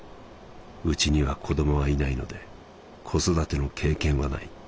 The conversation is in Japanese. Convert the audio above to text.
うちには子供はいないので子育ての経験はない。